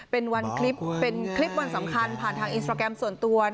เป็นวันคลิปเป็นคลิปวันสำคัญผ่านทางอินสตราแกรมส่วนตัว